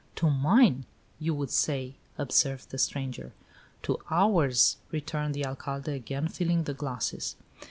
"To mine, you would say," observed the stranger. "To ours!" returned the Alcalde, again filling the glasses.